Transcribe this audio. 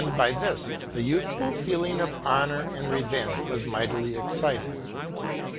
by this, the youthful feeling of honor and revenge was mightily excited.